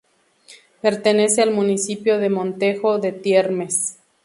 Pertenece al municipio de Montejo de Tiermes.